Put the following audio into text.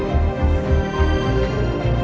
kita bisa berdua kita bisa berdua